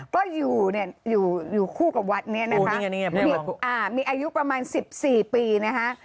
ก็อยู่เนี่ยอยู่คู่กับวัดนี้นะคะมีอายุประมาณ๑๔ปีนะคะ